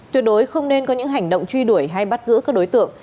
tuyệt đối không nên có những hành động truy đuổi hay bắt giữ các đối tượng